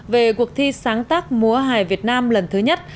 về cuộc thi sáng tác múa hài việt nam lần thứ nhất